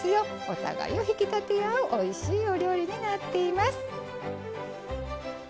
お互いを引き立て合うおいしいお料理になっています。